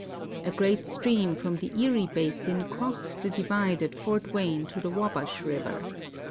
A great stream from the Erie basin erost the divide at Fort Wayne to the Wabash river.